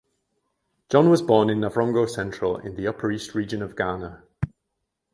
John was born in Navrongo Central in the Upper East Region of Ghana.